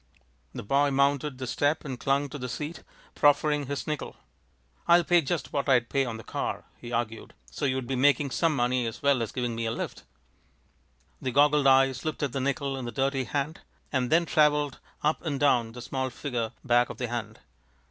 The boy mounted the step and clung to the seat, proffering his nickel. "I'll pay just what I'd pay on the car," he argued, "so you'd be making some money as well as giving me a lift." The goggled eyes looked at the nickel in the dirty hand, and then traveled up and down the small figure back of the hand.